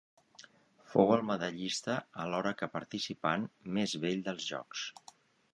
Fou el medallista, alhora que participant, més vell dels Jocs.